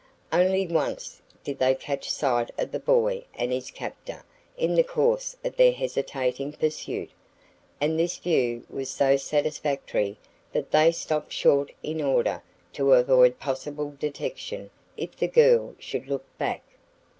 Only once did they catch sight of the boy and his captor in the course of their hesitating pursuit, and this view was so satisfactory that they stopped short in order to avoid possible detection if the girl should look back.